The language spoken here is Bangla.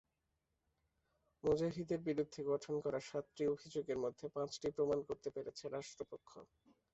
মুজাহিদের বিরুদ্ধে গঠন করা সাতটি অভিযোগের মধ্যে পাঁচটি প্রমাণ করতে পেরেছে রাষ্ট্রপক্ষ।